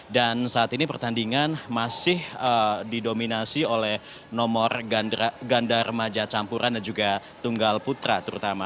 dan saat ini pertandingan masih didominasi oleh nomor gandar maja campuran dan juga tunggal putra terutama